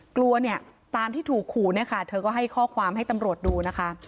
กลัวเนี่ยตามที่ถูกขู่เนี่ยค่ะเธอก็ให้ข้อความให้ตำรวจดูนะคะ